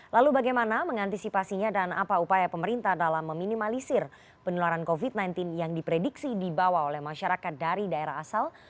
lalu bagaimana mengantisipasinya dan apa upaya pemerintah dalam meminimalisir penularan covid sembilan belas yang diprediksi dibawa oleh masyarakat dari daerah asal